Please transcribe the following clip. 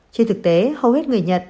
trên thực tế hầu hết người nhật